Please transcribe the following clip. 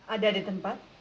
ada di tempat